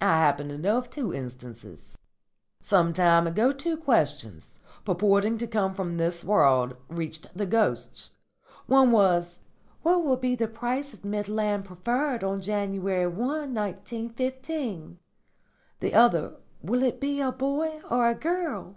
I happen to know of two instances. Some time ago two questions, purporting to come from this world, reached the ghosts. One was, 'What will be the price of Midland Preferred on January 1, 1915?' The other, 'Will it be a boy or a girl?'